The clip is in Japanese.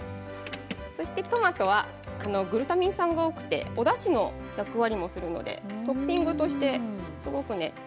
トマトはグルタミン酸が多くておだしの役割もしますのでトッピングとして。